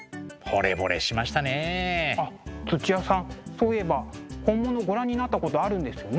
そういえば本物ご覧になったことあるんですよね？